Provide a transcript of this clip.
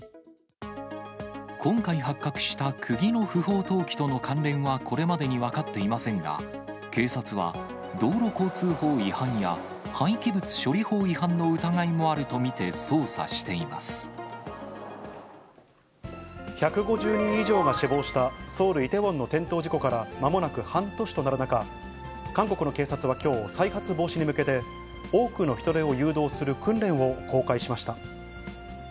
今回発覚したくぎの不法投棄との関連はこれまでに分かっていませんが、警察は、道路交通法違反や廃棄物処理法違反の疑いもあると見て、捜査して１５０人以上が死亡した、ソウル・イテウォンの転倒事故からまもなく半年となる中、韓国の警察はきょう、再発防止に向けて多くの人出を誘導する訓練を公開しました。